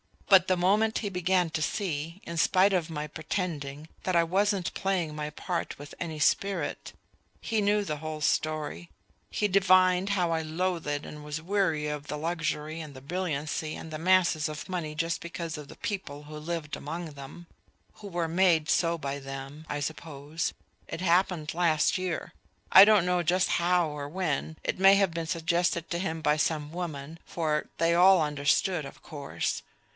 But the moment he began to see, in spite of my pretending, that I wasn't playing my part with any spirit, he knew the whole story; he divined how I loathed and was weary of the luxury and the brilliancy and the masses of money just because of the people who lived among them who were made so by them, I suppose.... It happened last year. I don't know just how or when. It may have been suggested to him by some woman for they all understood, of course.